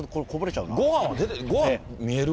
ごはんは見える？